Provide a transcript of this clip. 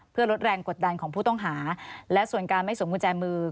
เพื่อลดแรงกดดันของผู้ต้องหาและส่วนการไม่สวมกุญแจมือ